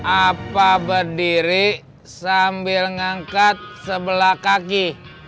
apa berdiri sambil mengangkat sebelah kaki